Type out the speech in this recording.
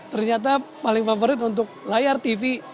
ternyata paling favorit untuk layar tv